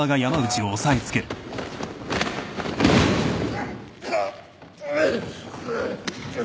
うっ。